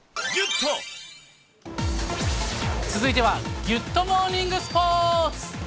続いては、ギュッとモーニングスポーツ。